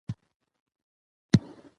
پابندی غرونه د افغانستان د جغرافیې بېلګه ده.